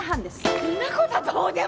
そんなことはどうでもいいのよ。